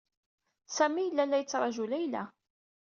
Sami yella la yettṛaju Layla.